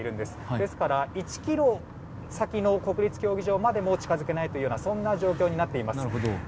ですから１ｋｍ先の国立競技場までも近づけないという状況になっています。